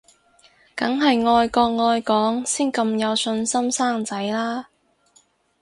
梗係愛國愛港先咁有信心生仔啦